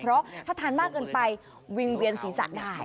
เพราะถ้าทานมากเกินไปวิ่งเวียนศีรษะได้